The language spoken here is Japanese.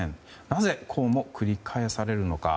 なぜ、こうも繰り返されるのか。